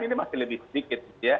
ini masih lebih sedikit